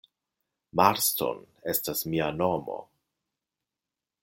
Marston estas mia nomo.